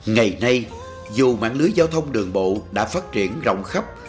ngày nay dù mạng lưới giao thông đường bộ đã phát triển rộng khắp